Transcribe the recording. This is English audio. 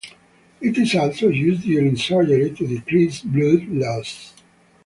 It is also used during surgery to decrease blood loss.